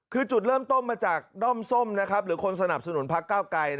คือจุดเริ่มต้มมาจากด้อมส้มนะครับหรือคนสนับสนุนภักดิ์เก้าไก่